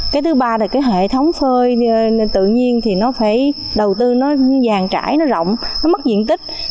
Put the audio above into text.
cái thứ ba là cái hệ thống phơi tự nhiên thì nó phải đầu tư nó giàn trải nó rộng nó mất diện tích